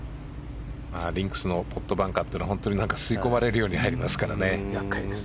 リンクスのポットバンカーというのは吸い込まれるように入りますからね。